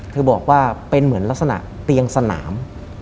เธอบอกว่าเป็นเหมือนลักษณะเตียงสนาม